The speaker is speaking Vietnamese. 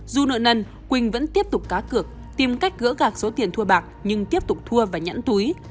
dù nợ nần quỳnh vẫn tiếp tục cá cược tìm cách gỡ gạc số tiền thua bạc nhưng tiếp tục thua và nhãn túi